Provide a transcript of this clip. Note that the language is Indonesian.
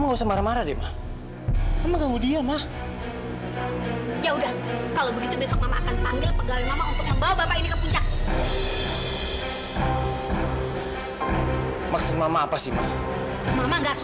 kalian berdua punya kalung yang sama persis